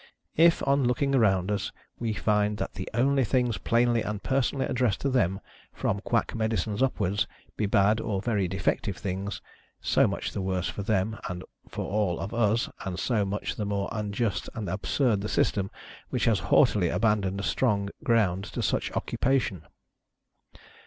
If, on looking round us, we find that the only things plainly and personally addressed to them, from quack mediciaes upwards, be bad or very defective things, — so much the worse for them and for all of us, and so much the more unjust and absurd the system which has haughtily abandoned a strong ground to such occupation.